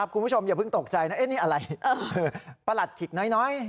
คุณผู้ชมอย่าเพิ่งตกใจนะนี่อะไรประหลัดขิกน้อย